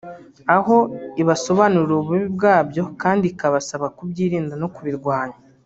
aho ibasobanurira ububi bwabyo kandi ikabasaba kubyirinda no kubirwanya